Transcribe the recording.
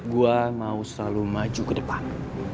gue mau selalu maju ke depan